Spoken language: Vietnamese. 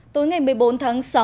tối ngày một mươi bốn tháng sáu